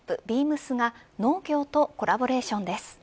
ビームスが農業とコラボレーションです。